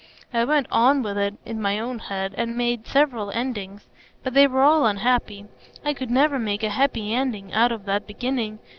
I went on with it in my own head, and I made several endings; but they were all unhappy. I could never make a happy ending out of that beginning.